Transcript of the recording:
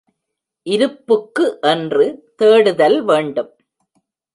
இருப்புக்கு என்று தேடுதல் வேண்டும்.